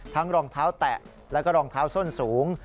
รองเท้าแตะแล้วก็รองเท้าส้นสูง